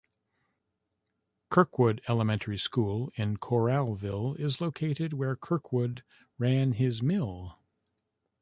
Kirkwood Elementary School in Coralville is located where Kirkwood ran his mill.